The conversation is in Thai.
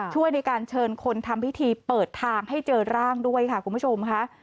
ช่วยในการเชิญคนทำพิธีเปิดทางให้เจอร่างด้วยค่ะคุณผู้ชมค่ะ